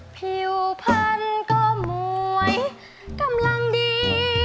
ผิวพันธุ์ก็มวยกำลังดี